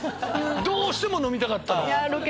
どうしても飲みたかったの。